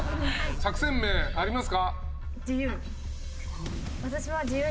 作戦名ありますか？